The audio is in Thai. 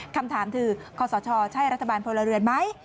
คำถามคือคศใช่รัฐบาลพลเรือนไหม